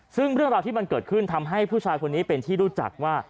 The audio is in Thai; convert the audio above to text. ซึ่งเรื่องราวที่มันเกิดขึ้นทำให้ผู้ชายคนนี้เป็นที่รู้จักว่า